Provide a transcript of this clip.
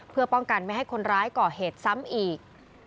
เพื่อป้องกันไม่ให้คนร้ายก่อเหตุซ้ำอีก